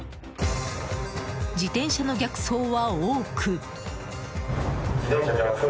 自転車の逆走は多く。